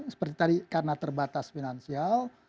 seperti tadi karena terbatas finansial